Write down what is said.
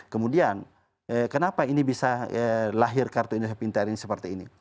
kemudian kenapa ini bisa lahir kartu indonesia pintar ini seperti ini